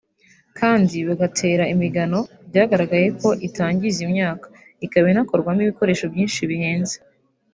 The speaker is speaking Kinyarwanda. kandi bagatera imigano byagaragaye ko itangiza imyaka ikaba inakorwamo ibikoresho byinshi bihenze